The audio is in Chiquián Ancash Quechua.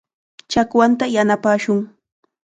Chakwanta yanapashun.